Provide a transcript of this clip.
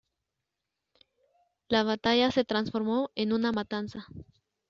La batalla se transformó en una matanza.